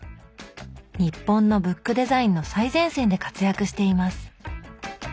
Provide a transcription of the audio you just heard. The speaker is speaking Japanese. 日本のブックデザインの最前線で活躍しています。